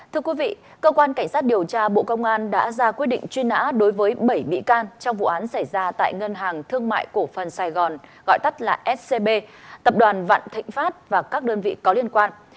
thưa quý vị cơ quan cảnh sát điều tra bộ công an đã ra quyết định truy nã đối với bảy bị can trong vụ án xảy ra tại ngân hàng thương mại cổ phần sài gòn gọi tắt là scb tập đoàn vạn thịnh pháp và các đơn vị có liên quan